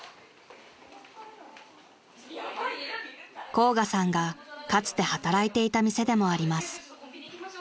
［甲賀さんがかつて働いていた店でもあります］